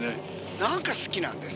なんか好きなんです。